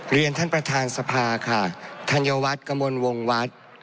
เรียนท่านประธานทรภาค่ะทันยวัตรกมลวงวัตร